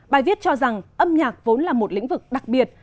bài viết cho rằng âm nhạc vốn là một lĩnh vực đặc biệt